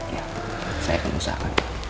iya saya akan usahakan